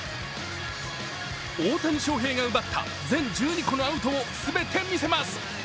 大谷翔平が奪った全１２個のアウトを全て見せます。